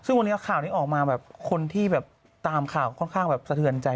ซึ่งวันนี้ข่าวนี้ออกมาคนที่ตามข่าวสะเทือนใจ